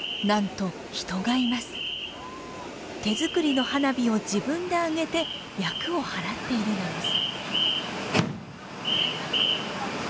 手作りの花火を自分で上げて厄を払っているのです。